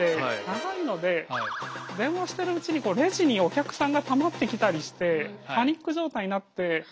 長いので電話してるうちにこうレジにお客さんがたまってきたりしてパニック状態になって。